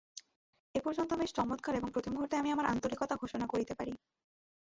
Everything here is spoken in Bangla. এ পর্যন্ত বেশ চমৎকার এবং প্রতিমুহূর্তে আমি আমার আন্তরিকতা ঘোষণা করিতে পারি।